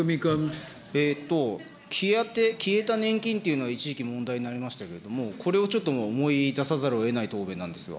消えた年金というのが一時期、問題になりましたけれども、これをちょっと思い出さざるをえない答弁なんですよ。